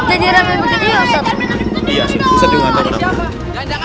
ini walhamdulillahfatherlesoh temanaste fémyung